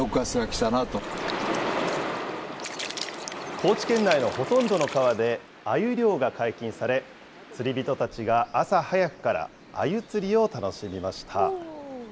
高知県内のほとんどの川でアユ漁が解禁され、釣り人たちが朝早くからアユ釣りを楽しみました。